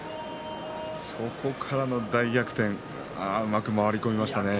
そこからの大逆転うまく回り込みましたね。